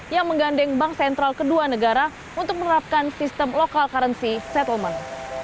yang menggandeng bank sentral kedua negara untuk menerapkan sistem local currency settlement